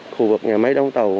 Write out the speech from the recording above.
khu vực nhà máy đóng tàu